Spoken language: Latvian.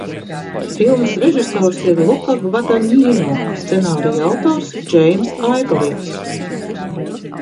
Filmas režisors ir Luka Gvadanjīno, scenārija autors – Džeimss Aivorijs.